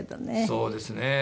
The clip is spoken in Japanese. そうですね。